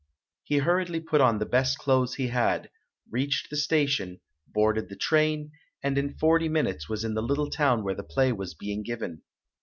He hurriedly put on the best clothes he had, reached the station, boarded the train, and in forty minutes was in the little town where the play was being given.